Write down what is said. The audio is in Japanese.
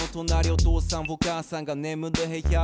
「お父さんお母さんがねむる部屋」